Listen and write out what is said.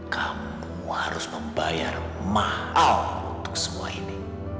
kamu harus membayar mahal untuk semua ini